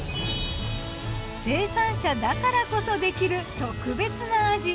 生産者だからこそできる特別な味。